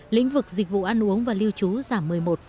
lĩnh vực dịch vụ ăn uống và lưu trú giảm một mươi một tám mươi sáu